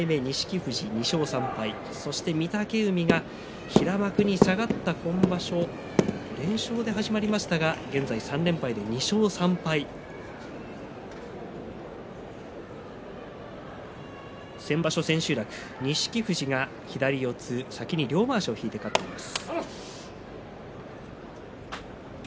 富士に１勝３敗そして御嶽海が平幕に下がった今場所も連勝で始まりましたが３連敗で２勝３敗先場所、千秋楽で錦富士が両まわしを引いて勝っています。